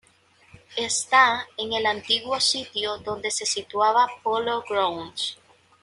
Está en el antiguo sitio donde se situaba Polo Grounds.